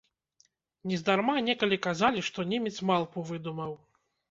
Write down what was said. Нездарма некалі казалі, што немец малпу выдумаў.